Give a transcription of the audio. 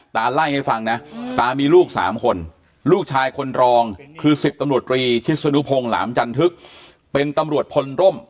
ไล่ให้ฟังนะตามีลูก๓คนลูกชายคนรองคือ๑๐ตำรวจรีชิสนุพงศ์หลามจันทึกเป็นตำรวจพลร่ม